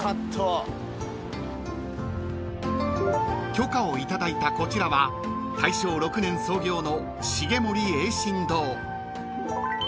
［許可を頂いたこちらは大正６年創業の］